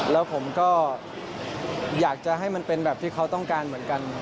แล้วผมก็อยากจะให้มันเป็นแบบที่เขาต้องการเหมือนกัน